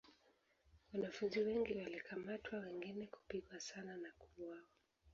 Wanafunzi wengi walikamatwa wengine kupigwa sana na kuuawa.